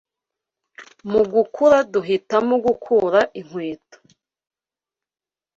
mu gukura duhitamo gukura inkweto